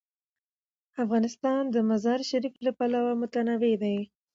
افغانستان د مزارشریف له پلوه متنوع دی.